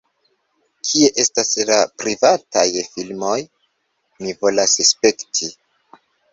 "Kie estas la privataj filmoj? Mi volas spekti"